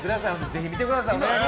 ぜひ見てください。